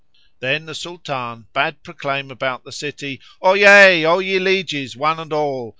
Then the Sultan bade proclaim about the city, "Oyez, O ye lieges one and all!